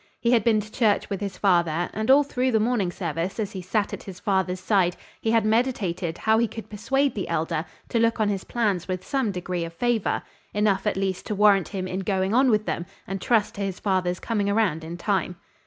He had been to church with his father, and all through the morning service as he sat at his father's side he had meditated how he could persuade the Elder to look on his plans with some degree of favor enough at least to warrant him in going on with them and trust to his father's coming around in time.